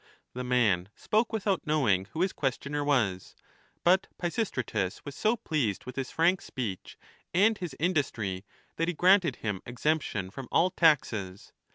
The man spoke without know ing who his questioner was ; but Pisistratus was so pleased with his frank speech and his industry that he granted him exemption from all taxes.